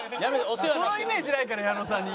そのイメージないから矢野さんに。